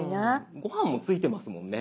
ごはんもついてますもんね。